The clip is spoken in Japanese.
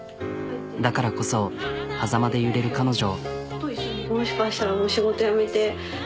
だからこそはざまで揺れる彼女。